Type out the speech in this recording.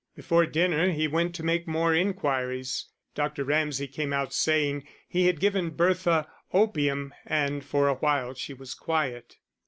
Before dinner he went to make more inquiries. Dr. Ramsay came out saying he had given Bertha opium, and for a while she was quiet.